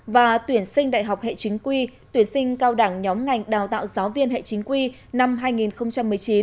và tuyển sinh đại học hệ chính quy tuyển sinh cao đẳng nhóm ngành đào tạo giáo viên hệ chính quy năm hai nghìn một mươi chín